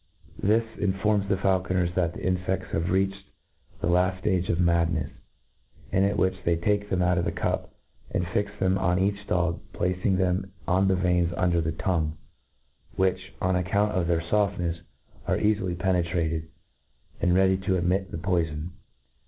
This found informs the faul coners that the infers have reached the laft ftage of madnefs ; at which they take them out dPthe cup, and fix them, one on each dog, placing them on the veins .under the tongue, which, on account of their foftnefs, are eafily penetrated, and readily admit Ae poifon.